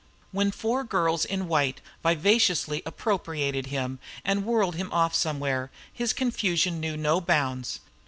When four girls in white vivaciously appropriated him and whirled him off somewhere, his confusion knew no bounds.